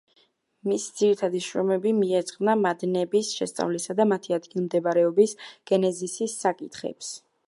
მისი ძირითადი შრომები მიეძღვნა მადნების შესწავლისა და მათი ადგილმდებარეობის გენეზისის საკითხებს.